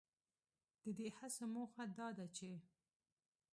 ددې هڅو موخه دا ده چې